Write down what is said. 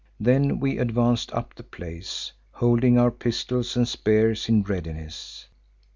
Then we advanced up the place, holding our pistols and spears in readiness.